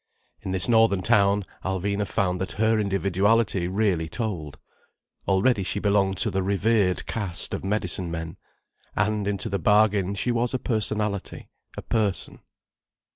In this northern town Alvina found that her individuality really told. Already she belonged to the revered caste of medicine men. And into the bargain she was a personality, a person.